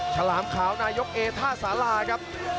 ฉลามขาวนายกเอท่าสาราครับ